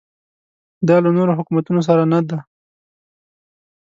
دا له نورو حکومتونو سره نه ده.